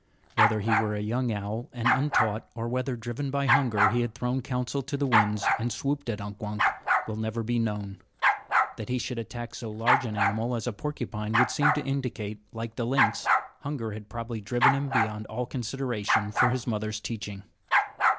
Whether he were a young owl and untaught, or whether, driven by hunger, he had thrown counsel to the winds and swooped at Unk Wunk, will never be known. That he should attack so large an animal as the porcupine would seem to indicate that, like the lynx, hunger had probably driven him beyond all consideration for his mother's teaching.